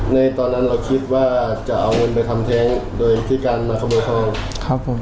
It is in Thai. ในตอนนั้นเราคิดว่าจะเอาเงินไปทำแท้งโดยที่การมาขโมยทองครับผม